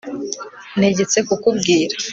Ntegetse kukubwira